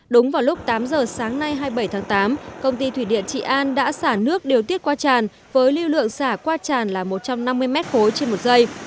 đúng vào lúc tám giờ sáng nay hai mươi bảy tháng tám công ty thủy điện trị an đã xả nước điều tiết qua tràn với lưu lượng xả qua tràn là một trăm năm mươi m ba trên một giây